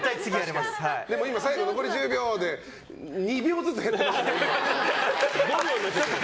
最後残り１０秒で２秒ずつ減ってましたよ。